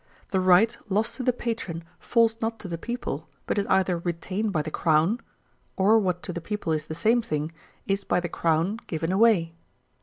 The right lost to the patron falls not to the people, but is either retained by the Crown, or what to the people is the same thing, is by the Crown given away.